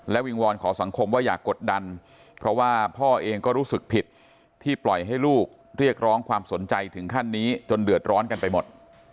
วิงวอนขอสังคมว่าอย่ากดดันเพราะว่าพ่อเองก็รู้สึกผิดที่ปล่อยให้ลูกเรียกร้องความสนใจถึงขั้นนี้จนเดือดร้อนกันไปหมด